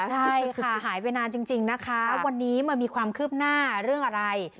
ใช่ค่ะหายไปนานจริงนะคะวันนี้มันมีความคืบหน้าเรื่องอะไร